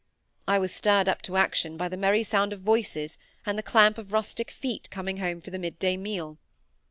I was stirred up to action by the merry sound of voices and the clamp of rustic feet coming home for the mid day meal.